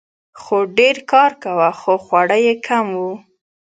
خر ډیر کار کاوه خو خواړه یې کم وو.